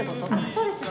そうですね。